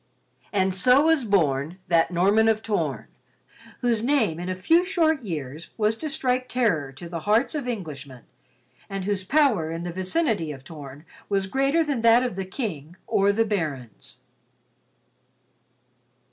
And so was born that Norman of Torn, whose name in a few short years was to strike terror to the hearts of Englishmen, and whose power in the vicinity of Torn was greater than that of the King or the barons.